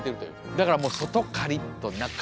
だからもう外カリッと中ジュワッ。